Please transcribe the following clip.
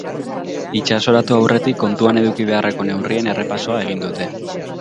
Itsasoratu aurretik kontuan eduki beharreko neurrien errepasoa egin dute.